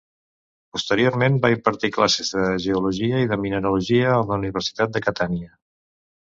Posteriorment va impartir classes de geologia i de mineralogia a la Universitat de Catània.